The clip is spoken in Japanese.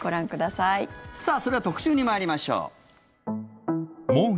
さあ、それでは特集に参りましょう。